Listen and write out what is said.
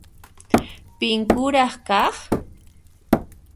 Pin kuraq kaq?